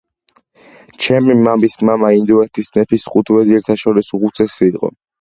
ჩემი მამის მამა ინდოეთის მეფის ხუთ ვეზირთა შორის უხუცესი იყო